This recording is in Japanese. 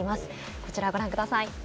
こちらご覧ください。